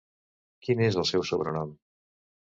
Quin és el seu sobrenom?